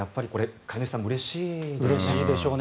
飼い主さんもうれしいですよね。